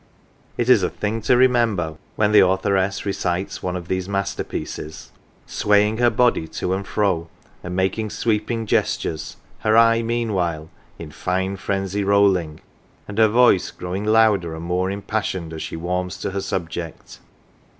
It is a thing to remember when the authoress recites one of these masterpieces, swaying her body to and fro and making sweeping gestures, her eye meanwhile " in fine frenxy rolling," and her voice growing louder and more impassioned as she warms to her subject.